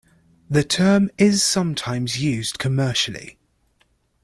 The term is sometimes used commercially.